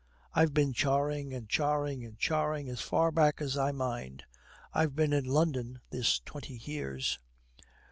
'I've been charring and charring and charring as far back as I mind. I've been in London this twenty years.'